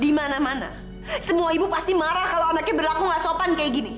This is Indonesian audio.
di mana mana semua ibu pasti marah kalau anaknya berlaku gak sopan kayak gini